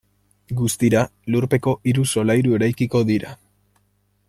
Guztira lurpeko hiru solairu eraikiko dira.